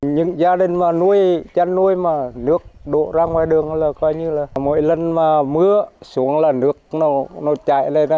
những gia đình mà nuôi chăn nuôi mà nước đổ ra ngoài đường là coi như là mỗi lần mà mưa xuống là nước nó chạy lên